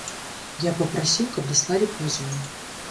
Я папрасіў, каб даслалі позву.